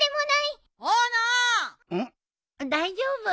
大丈夫。